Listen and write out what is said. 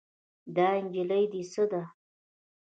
دا نجلۍ دې څه ده؟